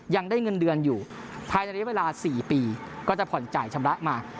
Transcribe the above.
ยังได้เงินเดือนอยู่ภายในระยะเวลา๔ปีก็จะผ่อนจ่ายชำระมา